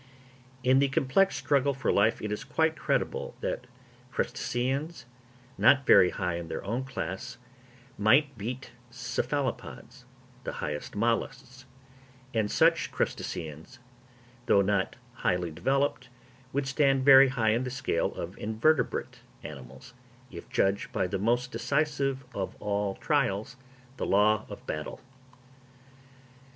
In the complex struggle for life it is quite credible that crustaceans, not very high in their own class, might beat cephalopods, the highest molluscs; and such crustaceans, though not highly developed, would stand very high in the scale of invertebrate animals, if judged by the most decisive of all trials—the law of battle.